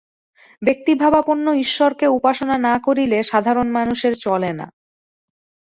ব্যক্তিভাবাপন্ন ঈশ্বরকে উপাসনা না করিলে সাধারণ মানুষের চলে না।